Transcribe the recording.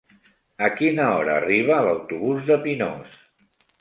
A quina hora arriba l'autobús de Pinós?